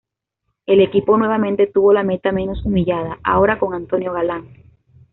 El equipo nuevamente tuvo la meta menos humillada, ahora con Antonio Galán.